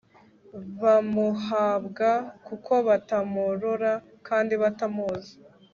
bamuhabwa kuko batamurora kandi batamuzi